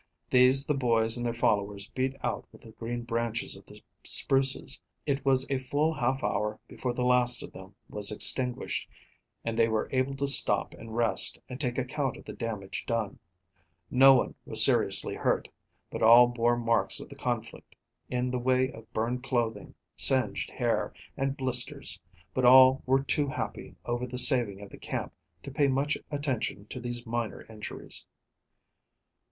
These the boys and their followers beat out with the green branches of the spruces. It was a full half hour before the last of them was extinguished, and they were able to stop and rest, and take account of the damage done. No one was seriously hurt, but all bore marks of the conflict, in the way of burned clothing, singed hair, and blisters, but all were too happy over the saving of the camp to pay much attention to these minor injuries.